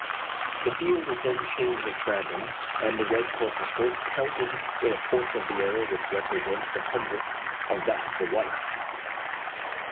The field is then changed at random, and the red corpuscles counted in a portion of the area which represents the hundredth of that of the white.